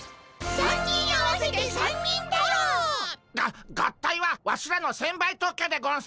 ３人合わせて三人太郎っ！が合体はワシらの専売特許でゴンス。